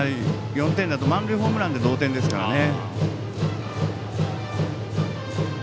４点だと満塁ホームランで同点ですからね。